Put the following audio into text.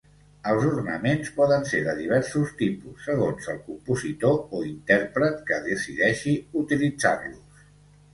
Els ornaments poden ser de diversos tipus, segons el compositor o intèrpret que decideixi utilitzar-los.